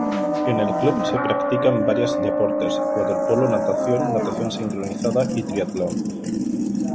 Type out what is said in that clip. En el club se practican varias deportes: waterpolo, natación, natación sincronizada y triatlón.